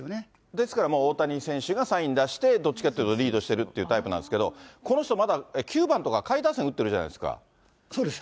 ですから大谷選手がサイン出して、どっちかというとリードしているっていうタイプなんですけど、この人、まだ９番とか下位打そうです。